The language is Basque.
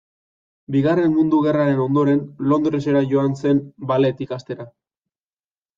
Bigarren Mundu Gerraren ondoren, Londresera joan zen, ballet ikastera.